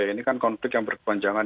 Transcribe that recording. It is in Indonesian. ini kan konflik yang berkepanjangan